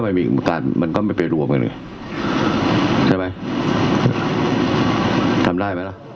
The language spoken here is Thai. ไปฟังเสียงกันครับ